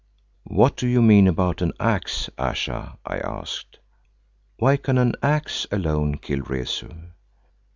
"What do you mean about an axe, Ayesha?" I asked. "Why can an axe alone kill Rezu?"